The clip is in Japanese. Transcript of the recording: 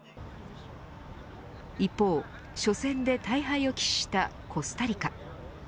一方、初戦で大敗を喫したコスタリカ。